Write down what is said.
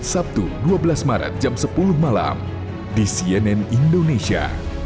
sabtu dua belas maret jam sepuluh malam di cnn indonesia